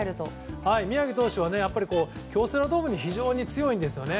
宮城投手は京セラドームに非常に強いんですよね。